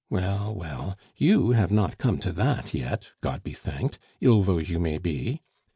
Well, well, you have not come to that yet, God be thanked, ill though you may be.